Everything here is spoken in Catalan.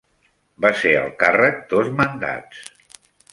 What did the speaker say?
Va ser al càrrec dos mandats.